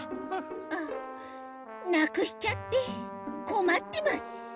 あっなくしちゃってこまってます。